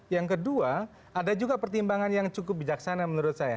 yang kedua ada juga pertimbangan yang cukup bijaksana menurut saya